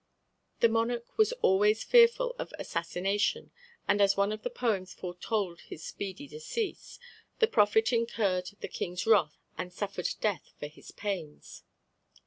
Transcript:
The monarch was always fearful of assassination, and as one of the poems foretold his speedy decease, the prophet incurred the King's wrath and suffered death for his pains.